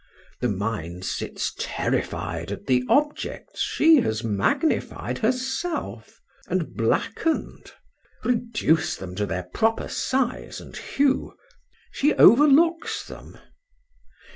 The mind sits terrified at the objects she has magnified herself, and blackened: reduce them to their proper size and hue, she overlooks them.